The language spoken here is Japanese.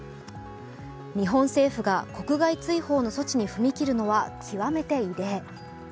日本政府が国外追放の措置に踏み切るのは極めて異例。